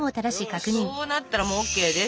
そうなったらもうＯＫです。